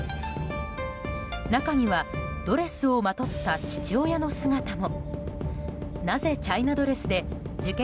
中にはドレスをまとった父親の姿も。